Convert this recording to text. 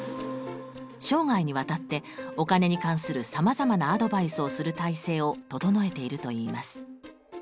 生涯にわたってお金に関するさまざまなアドバイスをする体制を整えているといいます。